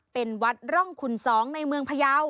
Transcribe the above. เป็นวัดร่องขุนสองในเมืองพะเยา